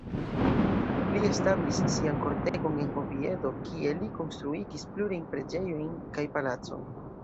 Li establis sian kortegon en Oviedo, kie li konstruigis plurajn preĝejojn kaj palacon.